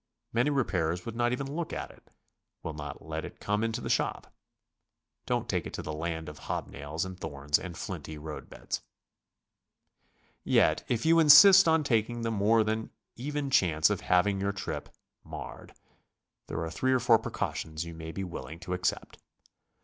Many repairers will not even look at it, will not let it come into the shop. Don't take it to the land of hob nails and thorns and flinty road beds. Yet if you insist on taking the more than even chance of having your trip marred, there are three or four precautions you may be willing to accept.